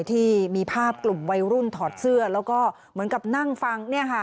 ที่มีภาพกลุ่มวัยรุ่นถอดเสื้อแล้วก็เหมือนกับนั่งฟัง